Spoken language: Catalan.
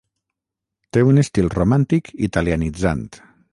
Té un estil romàntic italianitzant.